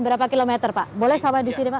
berapa kilometer pak boleh sampai disini pak